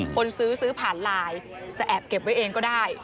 คนซื้อซื้อผ่านไลน์จะแอบเก็บไว้เองก็ได้